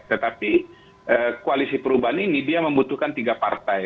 tetapi koalisi perubahan ini dia membutuhkan tiga partai